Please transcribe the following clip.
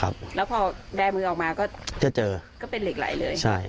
เป็นเหล็กไหล